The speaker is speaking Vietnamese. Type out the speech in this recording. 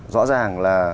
rõ ràng là